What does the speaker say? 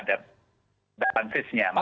maksudnya semua harus tergantung di dalam